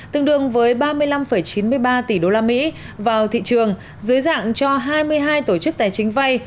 tương đương với ba mươi năm chín mươi ba tỷ usd vào thị trường dưới dạng cho hai mươi hai tổ chức tài chính vay